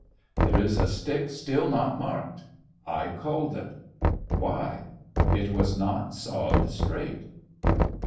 "There is a stick still not marked." "I culled it." "Why?" "It was not sawed straight."